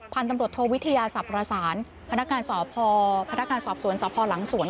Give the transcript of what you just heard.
พันธุ์ตำรวจโทวิทยาศัพท์ประสานพนักงานสอบพอพนักงานสอบสวนสพหลังสวน